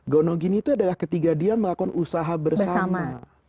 gonogini itu adalah ketika dia melakukan usaha bersama